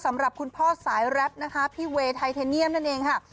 สำหรับคุณพ่อสายแรปนะคะพี่เวย์ไทเทเนียมนั่นเองค่ะ